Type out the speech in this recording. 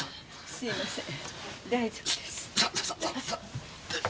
すいません。